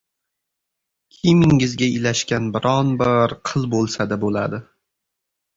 Kiyimingizga ilashgan biron-bir qil bo‘lsa-da bo‘ladi.